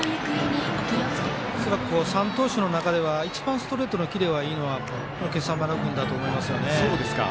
恐らく、３投手の中では一番ストレートのキレがいいのは今朝丸君だと思いますよね。